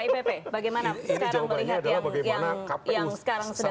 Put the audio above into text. baik kipp bagaimana sekarang melihat